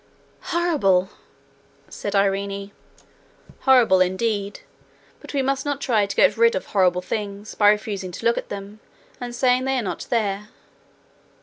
'Horrible!' said Irene. 'Horrible indeed; but we must not try to get rid of horrible things by refusing to look at them, and saying they are not there.